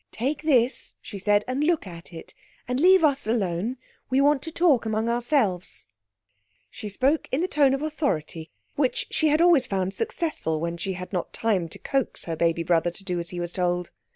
"Take this," she said, "and look at it. And leave us alone. We want to talk among ourselves." She spoke in the tone of authority which she had always found successful when she had not time to coax her baby brother to do as he was told.